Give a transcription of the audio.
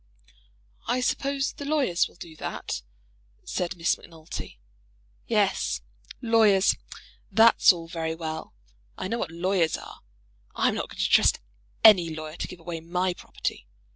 "I suppose the lawyers will do that," said Miss Macnulty. "Yes; lawyers! That's all very well. I know what lawyers are. I'm not going to trust any lawyer to give away my property.